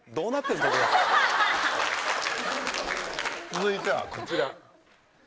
続いてはこちら。